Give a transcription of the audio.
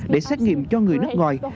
để xét nghiệm cho người nước ngoài